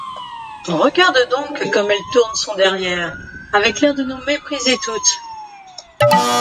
Regarde donc comme elle tourne son derrière, avec l’air de nous mépriser toutes.